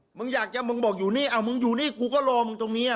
มึงอยากจะมึงบอกอยู่นี่เอามึงอยู่นี่กูก็รอมึงตรงนี้